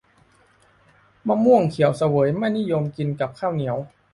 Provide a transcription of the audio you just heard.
มะม่วงเขียวเสวยไม่นิยมกินกับข้าวเหนียว